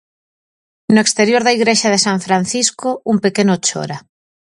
No exterior da igrexa de San Francisco un pequeno chora.